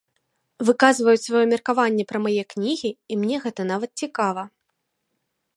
Выказваюць сваё меркаванне пра мае кнігі, і мне гэта нават цікава.